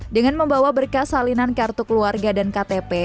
dengan membawa berkas salinan kartu keluarga dan ktp